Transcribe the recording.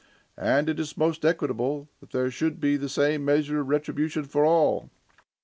And it is most equitable, that there should be the same measure of retribution for all.